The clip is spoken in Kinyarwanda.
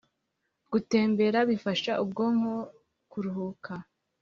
Gutembera bifasha ubwonko kuruhuka